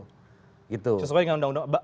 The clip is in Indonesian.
sesuai dengan undang undang